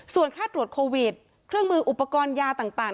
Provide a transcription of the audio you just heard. ส่วนค่าตรวจโควิดเครื่องมืออุปกรณ์ยาต่าง